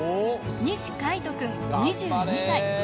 西海斗君、２２歳。